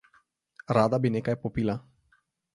Rada bi nekaj popila.